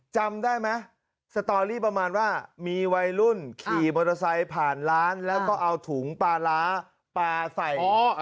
จำได้ไหมสตอรี่ประมาณว่ามีวัยรุ่นขี่มอเตอร์ไซค์ผ่านร้านแล้วก็เอาถุงปลาร้าปลาใส่